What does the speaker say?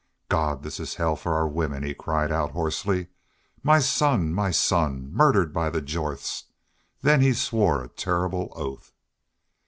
"God, this is hell for our women," he cried out, hoarsely. "My son my son! ... Murdered by the Jorths!" Then he swore a terrible oath.